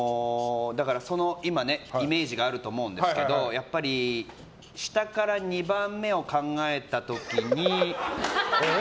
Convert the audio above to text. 今、イメージがあると思うんですけどやっぱり下から２番目を考えた時に。